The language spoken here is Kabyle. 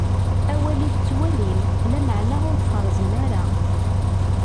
Awali tettwalim, lameɛna ur tfeṛṛzem ara.